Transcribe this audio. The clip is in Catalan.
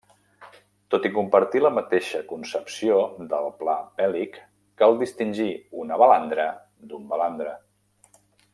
Tot i compartir la mateixa concepció del pla vèlic, cal distingir una balandra d'un balandre.